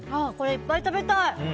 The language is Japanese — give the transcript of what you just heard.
これ、いっぱい食べたい。